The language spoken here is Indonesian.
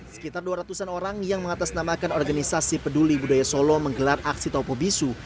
sekitar dua ratus an orang yang mengatasnamakan organisasi peduli budaya solo menggelar aksi topo bisu